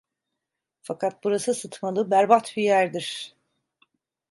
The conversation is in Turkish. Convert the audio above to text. Fakat burası sıtmalı, berbat bir yerdir.